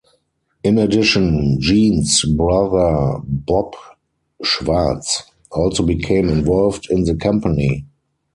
In addition, Gene's brother Bob Schwartz also became involved in the company.